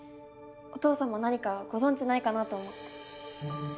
お父様何かご存じないかなと思って。